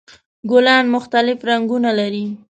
ګلان مختلف رنګونه لري.